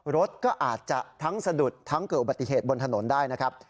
รถก็อาจจะทั้งสะดุดทั้งเกิดอุบัติเหตุบนถนนได้นะครับ